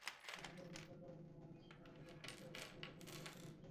তবে দৃশ্যত রাগী মানুষটির ভেতরে তাঁর জুনিয়রদের জন্য অনেক স্নেহ সঞ্চিত ছিল।